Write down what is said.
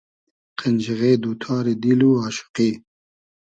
قئنجیغې دو تاری دیل و آشوقی